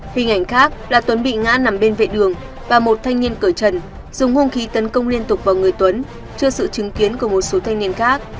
hình ảnh khác là tuấn bị ngã nằm bên vệ đường và một thanh niên cởi trần dùng hung khí tấn công liên tục vào người tuấn trước sự chứng kiến của một số thanh niên khác